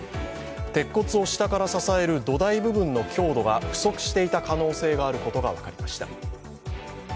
鉄骨を下から支える土台部分の強度が不足していた可能性があることが分かりました